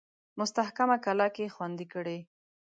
مستحکمه کلا کې خوندې کړي.